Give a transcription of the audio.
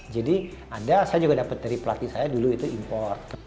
jadi ada saya juga dapat dari pelatih saya dulu itu import